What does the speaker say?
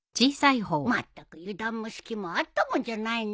まったく油断も隙もあったもんじゃないね。